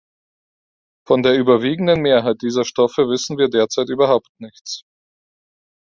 Von der überwiegenden Mehrheit dieser Stoffe wissen wir derzeit überhaupt nichts.